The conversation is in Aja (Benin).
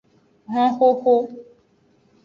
Honxoxo.